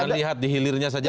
kita lihat di hilirnya saja